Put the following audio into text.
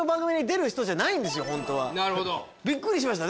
びっくりしました。